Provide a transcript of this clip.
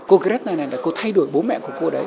cô greta này là cô thay đổi bố mẹ của cô đấy